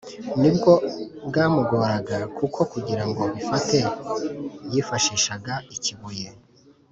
ni bwo bwamugoraga kuko kugira ngo bifate yifashishaga ikibuye